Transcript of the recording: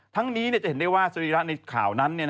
ทั้งนี้จะเห็นได้ว่าสรีระในข่าวนั้น